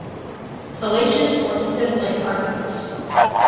Fallacious or dissembling arguments.